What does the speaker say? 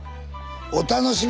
お楽しみに！